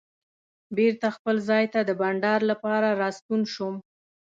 بېرته خپل ځای ته د بانډار لپاره راستون شوم.